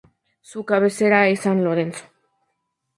Su cabecera es San Lorenzo.